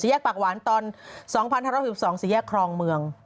แยกปากหวานตอน๒๕๖๒๔แยกครองเมือง